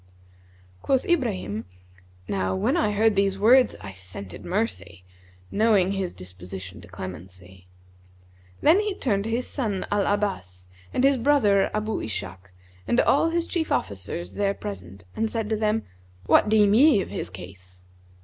(Quoth Ibrahim), Now when I heard these words I scented mercy, knowing his disposition to clemency.[FN#158] Then he turned to his son Al Abbas and his brother Abu Ishak and all his chief officers there present and said to them, 'What deem ye of his case?'